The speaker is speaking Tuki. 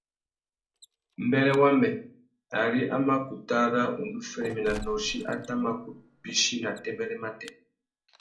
Mbêrê wamê, ari a mà kutu ara undú féréména nôchï a tà mà kutu bîchi nà têbêrê matê.